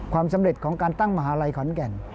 ความสำเร็จของการตั้งมหาลัยขอนแก่น